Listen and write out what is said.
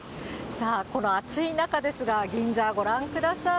さあ、この暑い中ですが、銀座、ご覧ください。